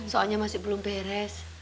soalnya masih belum beres